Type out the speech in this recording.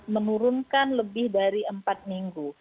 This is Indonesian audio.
menurunkan lebih dari empat minggu